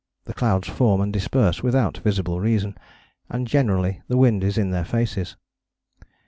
The clouds form and disperse without visible reason. And generally the wind is in their faces.